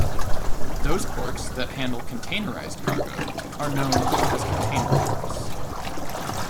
Those ports that handle containerized cargo are known as container ports.